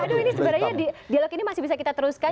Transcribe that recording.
aduh ini sebenarnya dialog ini masih bisa kita teruskan